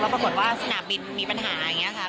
แล้วปรากฏว่าสนามบินมีปัญหาอย่างนี้